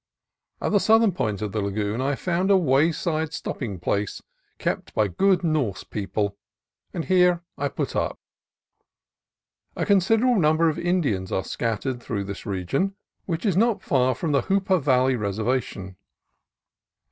At the southern point of the lagoon I found a wayside stopping place kept by good Norse people, and here I put up. A considerable number of Indians are scattered through this region, which is not far from the Hoopa Valley Reservation.